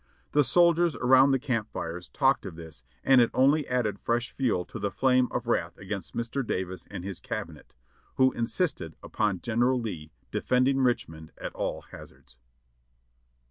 The soldiers around the camp fires talked of this and it only added fresh fuel to the flame of wrath against Mr. Davis and his Cabinet, who insisted upon General Lee defending Richmond at all hazards.